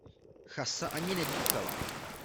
Chasa ani nedýchala.